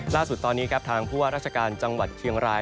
ล่าสุดตอนนี้ครับทางผู้ว่าราชการจังหวัดเชียงราย